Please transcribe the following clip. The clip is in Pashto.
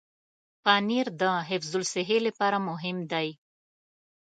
پنېر د حفظ الصحې لپاره مهم دی.